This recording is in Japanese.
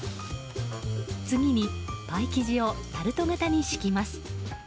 次にパイ生地をタルト型に敷きます。